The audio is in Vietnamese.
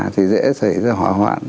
thì dễ xảy ra hỏa hoạn